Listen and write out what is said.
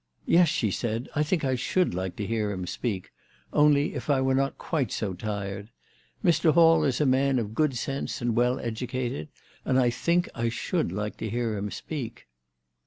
"Yes," she said; "I think I should like to hear him speak ; only if I were not quite so tired. Mr. Hall is a man of good sense, and well educated, and I think I should like to hear him speak."